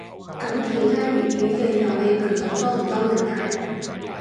噉其他粵語嘅遊戲頻道多唔多人睇